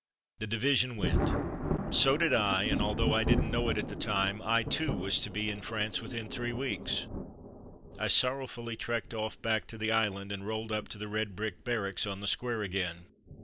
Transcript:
The division went. So did I, and although I didn't know it at the time, I, too, was to be in France within three weeks. I sorrowfully trekked off back to the island, and rolled up to the red brick barracks on the square again.